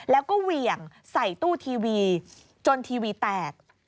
แล้วก็เหวี่ยงใส่ตู้ทีวีจนทีวีแตก